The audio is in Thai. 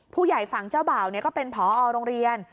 ผู้ใหญ่ฝั่งเจ้าบ่าวก็เป็นผอโรงเรียน